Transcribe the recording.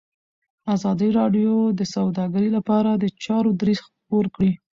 ازادي راډیو د سوداګري لپاره د چارواکو دریځ خپور کړی.